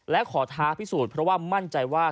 และขอท้าพิสูจน์เพราะว่ามั่นใจว่า